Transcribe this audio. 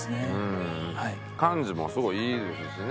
感じもすごいいいですしね。